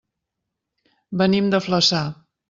Venim de Flaçà.